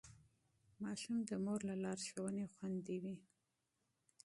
ماشوم د مور له لارښوونې خوندي وي.